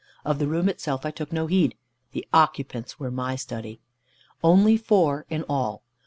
Of the room itself I took no heed; the occupants were my study. Only four in all.